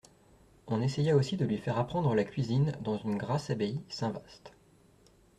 On essaya aussi de lui faire apprendre la cuisine dans une grasse abbaye, Saint-Vast.